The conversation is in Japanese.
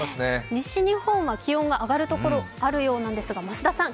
西日本は気温が上がるところありそうなんですが増田さん